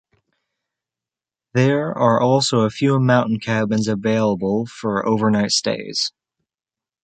There are also a few mountain cabins available for overnight stays.